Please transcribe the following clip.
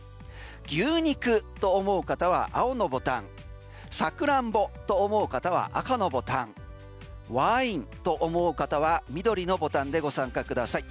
牛肉と思う方は青のボタンさくらんぼと思う方は赤のボタンワインと思う方は緑のボタンでご参加ください。